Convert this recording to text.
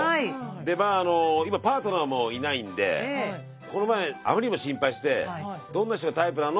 で今パートナーもいないんでこの前あまりにも心配して「どんな人がタイプなの？」